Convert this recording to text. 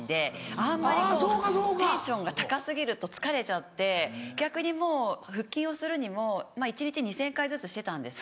あんまりこうテンションが高過ぎると疲れちゃって逆にもう腹筋をするにもまぁ一日２０００回ずつしてたんですけど。